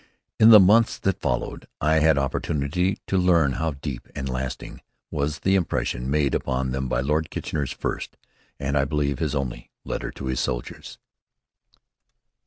In the months that followed, I had opportunity to learn how deep and lasting was the impression made upon them by Lord Kitchener's first, and I believe his only, letter to his soldiers.